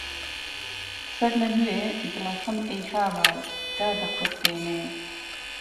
سەرلەنوێ دڵەکەم ئەی هاوار دادەخورپێنێ